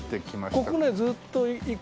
ここねずっと行く。